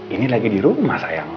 ini lagi di rumah saya